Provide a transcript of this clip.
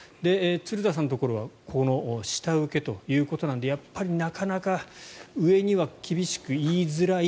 鶴田さんのところはこの下請けということなのでやっぱりなかなか上には厳しく言いづらい。